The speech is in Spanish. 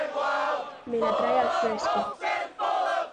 Me la trae al fresco